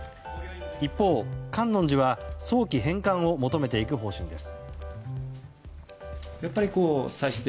一方、観音寺は早期返還を求めていく方針です。